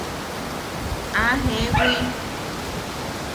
¡Ah, jewi!